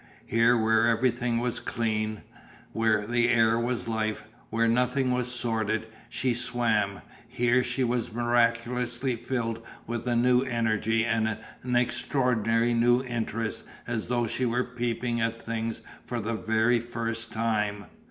Here where everything was clean, where the air was life, where nothing was sordid, she swam; here she was miraculously filled with a new energy and an extraordinary new interest as though she were peeping at things for the very first time.